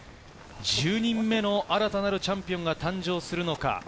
１０人目の新たなるチャンピオンが誕生するのか。